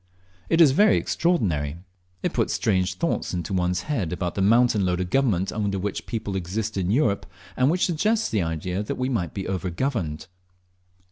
It is very extraordinary! It puts strange thoughts into one's head about the mountain load of government under which people exist in Europe, and suggests the idea that we may be over governed.